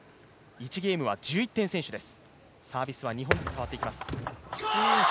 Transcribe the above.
１ゲームは１１点先取です。